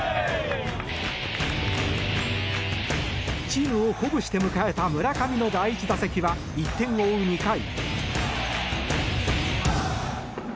チームを鼓舞して迎えた村上の第１打席は１点を追う２回。